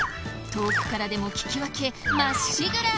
遠くからでも聞き分けまっしぐら！